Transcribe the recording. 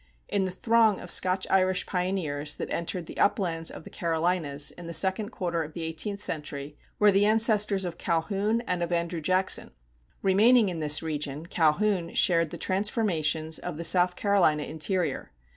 In the throng of Scotch Irish pioneers that entered the uplands of the Carolinas in the second quarter of the eighteenth century were the ancestors of Calhoun and of Andrew Jackson. Remaining in this region, Calhoun shared the transformations of the South Carolina interior.